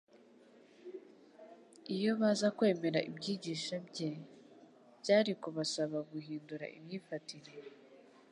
Iyo baza kwemera ibyigishc bye, byari kubasaba guhindura imyifatire,